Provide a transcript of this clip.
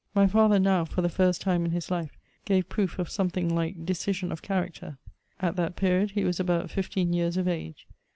My father now, for the first time in his life, gave proof of something like decision of character. At that period, he was about fifteen years of age.